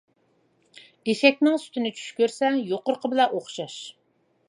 ئېشەكنىڭ سۈتىنى چۈش كۆرسە، يۇقىرىقى بىلەن ئوخشاش.